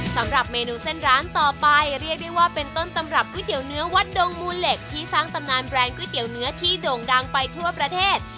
สำหรับเมนูเส้นร้านต่อไปเรียกได้ว่าเป็นต้นตำรับก๋วยเตี๋ยเนื้อวัดดงมูลเหล็กที่สร้างตำนานแบรนด์ก๋วยเตี๋ยวเนื้อที่โด่งดังไปทั่วประเทศ